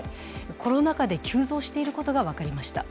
コロナ禍で急増していることが分かりました。